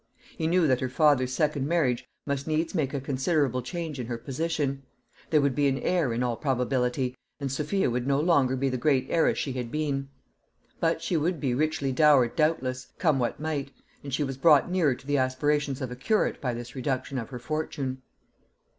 He knew that her father's second marriage must needs make a considerable change in her position. There would be an heir, in all probability, and Sophia would no longer be the great heiress she had been. But she would be richly dowered doubtless, come what might; and she was brought nearer to the aspirations of a curate by this reduction of her fortune.